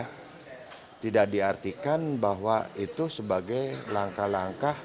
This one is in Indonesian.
tapi ya tidak diartikan bahwa itu sebagai langkah langkah